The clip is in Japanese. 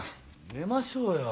寝ましょうよ。